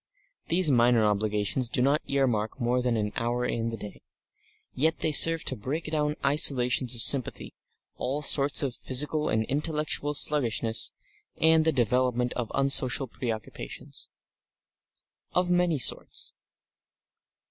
These minor obligations do not earmark more than an hour in the day. Yet they serve to break down isolations of sympathy, all sorts of physical and intellectual sluggishness and the development of unsocial preoccupations of many sorts.